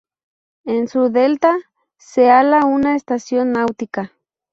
En su delta se hala una estación náutica.